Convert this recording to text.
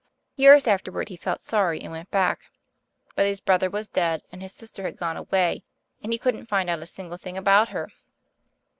Years afterward he felt sorry and went back, but his brother was dead and his sister had gone away, and he couldn't find out a single thing about her.